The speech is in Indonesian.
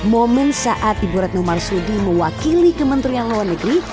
momen saat ibu retno marsudi mewakili kementerian luar negeri